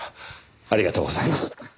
ありがとうございます。